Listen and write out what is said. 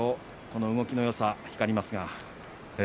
この動きのよさ光りますが。